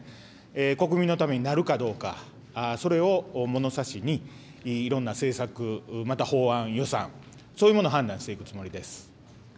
国民のためになるかどうか、それをものさしに、いろんな政策、また法案、予算、そういうものを判断していくつもりです。